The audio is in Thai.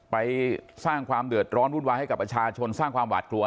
ไปสร้างความเดือดร้อนวุ่นวายให้กับประชาชนสร้างความหวาดกลัว